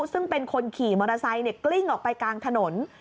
ซึ่งเป็นคนขี่มอเตอร์ไซค์กลิ้งออกไปกลางถนน